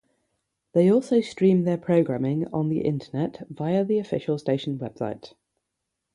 They also stream their programming on the internet via the official station website.